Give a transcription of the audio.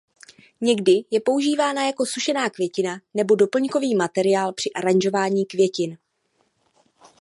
Někdy je používána jako sušená květina nebo doplňkový materiál při aranžování květin.